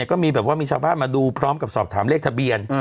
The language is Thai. ก็มีชาวภาพมาดูพร้อมกับสอบถามเลขทะเบียน